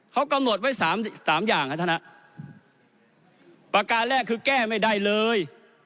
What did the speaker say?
เขากำหนดไว้สามสามอย่างครับท่านฮะประการแรกคือแก้ไม่ได้เลย